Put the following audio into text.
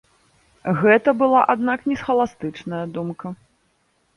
Гэта была, аднак, не схаластычная думка.